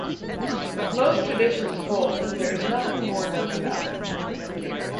Most traditions hold that there is nothing more known about her.